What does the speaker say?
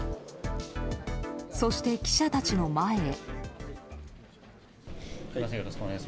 そして、記者たちの前へ。